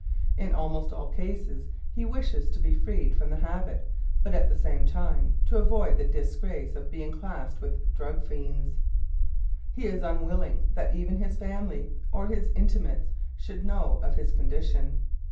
In almost all cases he wishes to be freed from the habit, but at the same time to avoid the disgrace of being classed with "drug fiends"; he is unwilling that even his family or his intimates should know of his condition.